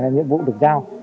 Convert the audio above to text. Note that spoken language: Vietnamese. nhiệm vụ được giao